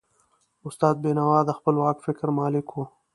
استاد بینوا د خپلواک فکر مالک و.